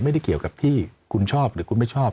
ไม่ได้เกี่ยวกับที่คุณชอบหรือคุณไม่ชอบ